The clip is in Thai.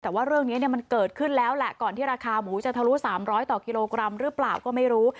แต่ว่าเรื่องนี้มันเกิดขึ้นแล้วแหละก่อนที่ราคาหมูจะทะลุ๓๐๐ต่อกิโลกรัมหรือเปล่าก็ไม่รู้